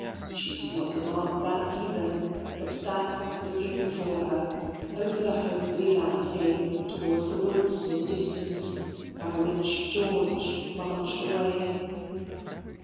She did not remark that either: but sate looking before her, over the homely landscape towards the woods in the distance, by which George marched away.